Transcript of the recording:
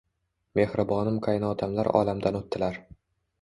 Mehribonim qaynotamlar olamdan oʻtdilar.